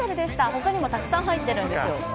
ほかにもたくさん入ってるんですよ。